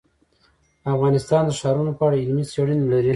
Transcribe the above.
افغانستان د ښارونه په اړه علمي څېړنې لري.